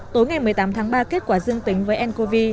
tối ngày một mươi tám tháng ba kết quả dương tính với ncov